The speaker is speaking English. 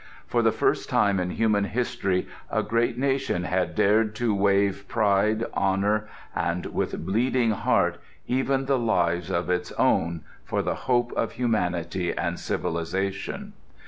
For the first time in human history a great nation had dared to waive pride, honour, and—with bleeding heart—even the lives of its own for the hope of humanity and civilization.